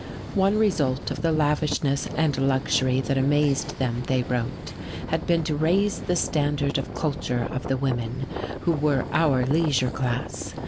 One result of the lavishness and luxury that amazed them they wrote had been to raise the standard of culture of the women, who were our leisure class.